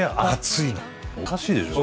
いやおかしいでしょ？